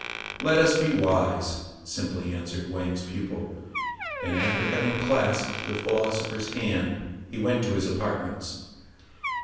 "Let us be wise," simply answered Wang's pupil ; and, after having clasped the philosopher's hand, he went to his apartments.